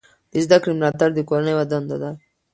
د زده کړې ملاتړ د کورنۍ یوه دنده ده.